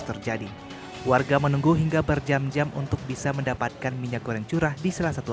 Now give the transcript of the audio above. terjadi warga menunggu hingga berjam jam untuk bisa mendapatkan minyak goreng curah di salah satu